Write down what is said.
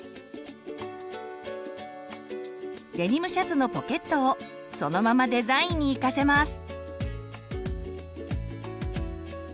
デニムシャツのポケットをそのままデザインに生かせます。